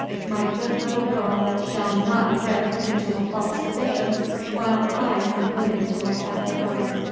My good little girl shall not drift into a false position while I am living to look after her.